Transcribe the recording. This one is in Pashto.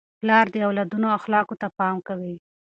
پلار د اولادونو اخلاقو ته پام کوي.